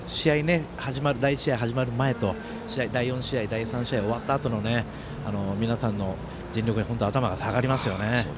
試合が始まる前と第３試合が終わったあとの皆さんの尽力には頭が下がりますよね。